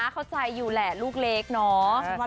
เข้าใจอยู่แหละลูกเล็กเนาะ